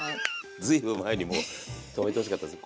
ずいぶん前にもう止めてほしかったです。